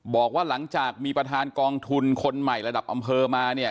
บอกว่าหลังจากมีประธานกองทุนคนใหม่ระดับอำเภอมาเนี่ย